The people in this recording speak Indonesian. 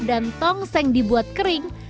dan tongseng dibuat kering